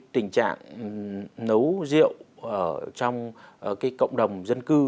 tình trạng nấu rượu trong cộng đồng dân cư